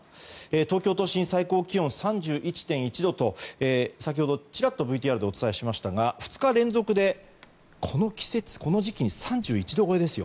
東京都心、最高気温３１．１度と先ほどちらっとＶＴＲでお伝えしましたが２日連続でこの季節、この時期に３１度超えですよ。